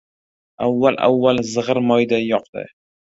Avval-avval zig‘ir moyday yoqdi.